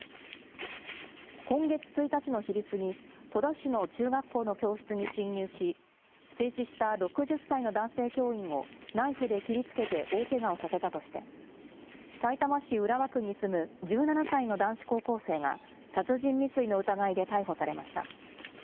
今月１日の昼過ぎ、戸田市の中学校の教室に侵入し、制止した６０歳の男性教員をナイフで切りつけて大けがをさせたとして、さいたま市浦和区に住む１７歳の男子高校生が、殺人未遂の疑いで逮捕されました。